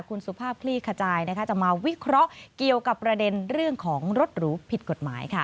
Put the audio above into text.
คุณสุภาพคลี่ขจายจะมาวิเคราะห์เกี่ยวกับประเด็นเรื่องของรถหรูผิดกฎหมายค่ะ